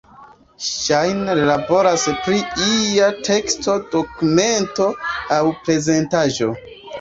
Ŝajne ri laboras pri ia teksta dokumento aŭ prezentaĵo.